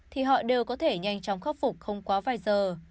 thì họ đều có thể nhanh chóng khắc phục không quá vài giờ